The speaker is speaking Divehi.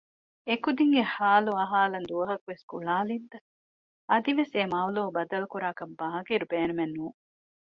އެކުދިންގެ ޙާލު އަހާލަން ދުވަހަކުވެސް ގުޅާލިންތަ؟ އަދިވެސް އެ މަޥްޟޫޢު ބަދަލުކުރާކަށް ބާޤިރު ބޭނުމެއް ނޫން